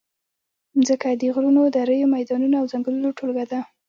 مځکه د غرونو، دریو، میدانونو او ځنګلونو ټولګه ده.